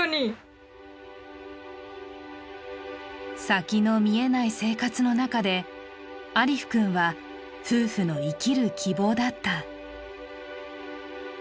先の見えない生活の中で、アリフ君は夫婦の生きる希望だった。